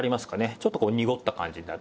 ちょっとこう濁った感じになる。